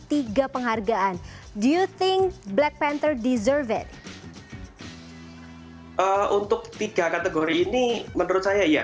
tiga penghargaan do you think black panther deserve it untuk tiga kategori ini menurut saya